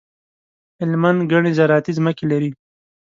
هلمند ګڼي زراعتي ځمکي لري.